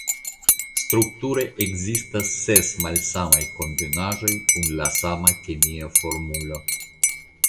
Strukture ekzistas ses malsamaj kombinaĵoj kun la sama kemia formulo.